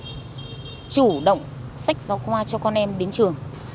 chủ động sách giáo khoa cho con em đến trường